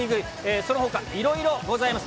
そのほか、いろいろございます。